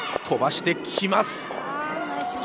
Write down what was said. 飛ばしてきます。